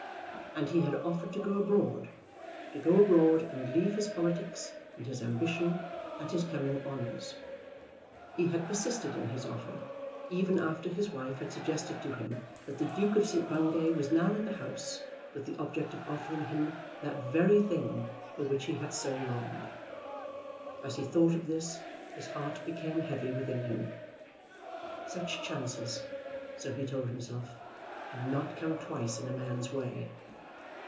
And he had offered to go abroad, to go abroad and leave his politics, and his ambition, and his coming honours. He had persisted in his offer, even after his wife had suggested to him that the Duke of St. Bungay was now in the house with the object of offering him that very thing for which he had so longed! As he thought of this his heart became heavy within him. Such chances, so he told himself, do not come twice in a man's way.